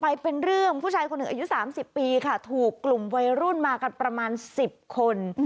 ไปเป็นเรื่องผู้ชายคนหนึ่งอายุ๓๐ปีค่ะถูกกลุ่มวัยรุ่นมากันประมาณ๑๐คน